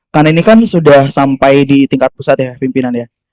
karena ini kan sudah sampai di tingkat pusat ya pimpinan ya